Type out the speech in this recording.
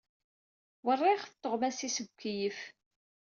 Wriɣet tuɣmas-is seg ukeyyef.